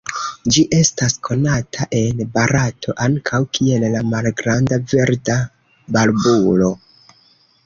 Ĝi estas konata en Barato ankaŭ kiel la Malgranda verda barbulo.